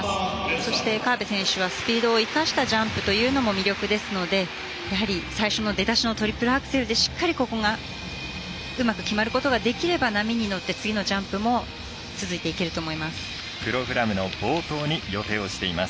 そして、河辺選手はスピードを生かしたジャンプというのも魅力ですのでやはり出だしのトリプルアクセルでしっかりここがうまく決まることができれば波に乗って次のジャンプも続いていけると思います。